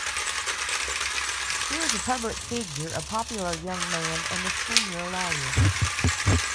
He was a public figure, a popular young man, and a senior lawyer.